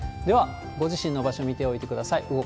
では、ご自身の場所、見ておいてください。